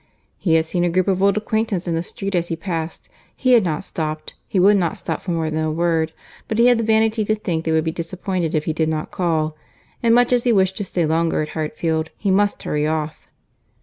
"He had seen a group of old acquaintance in the street as he passed—he had not stopped, he would not stop for more than a word—but he had the vanity to think they would be disappointed if he did not call, and much as he wished to stay longer at Hartfield, he must hurry off."